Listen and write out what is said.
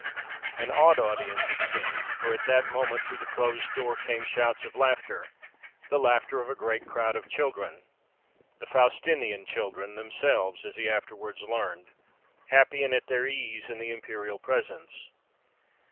An odd audience it seemed; for at that moment, through the closed door, came shouts of laughter, the laughter of a great crowd of children—the "Faustinian Children" themselves, as he afterwards learned—happy and at their ease, in the imperial presence.